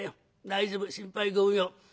大丈夫心配ご無用。